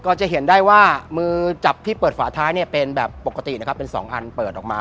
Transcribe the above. ก็จะเห็นได้ว่ามือจับที่เปิดฝาท้ายเนี่ยเป็นแบบปกตินะครับเป็น๒อันเปิดออกมา